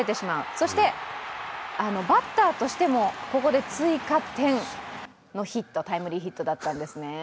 そして、バッターとしてもここで追加点のタイムリーヒットだったんですね。